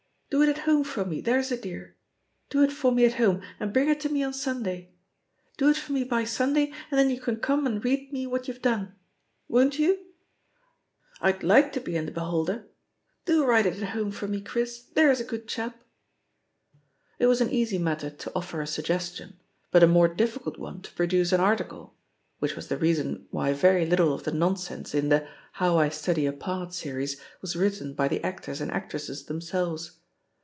Do it at home for me, there's a dear ! Do it for me at home, and bring it to me on Sunday. Do it for me by Sunday, and then you can come and read me what you've done. Won't you? I'd like to be in The Beholder. Do write it at home for me, Chris, there's a good chap 1" THE POSITION OF PEGGY HARPER 289 It was an easy matter to offer a suggestion, but a more difficult one to produce an article — which was the reason why very little of the non« sense in the "How I Study a Part" series was written by the actors and actresses themselves.